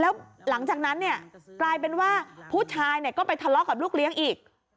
แล้วหลังจากนั้นเนี่ยกลายเป็นว่าผู้ชายเนี่ยก็ไปทะเลาะกับลูกเลี้ยงอีก